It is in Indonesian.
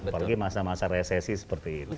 apalagi masa masa resesi seperti itu